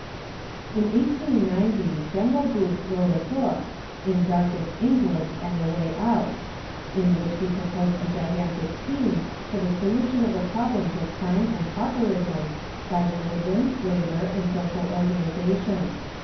In 1890 General Booth wrote a book, "In Darkest England and the Way Out," in which he proposed a gigantic scheme for the solution of the problems of crime and paujicrism by religion, labor, and social organization.